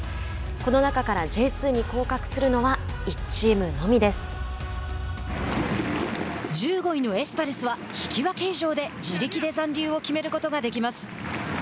この中からＪ２に降格するのは１５位のエスパルスは引き分け以上で自力で残留を決めることができます。